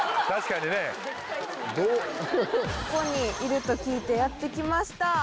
ここにいると聞いてやって来ました。